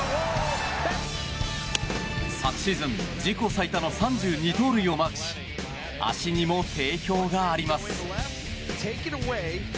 昨シーズン自己最多の３２盗塁をマークし足にも定評があります。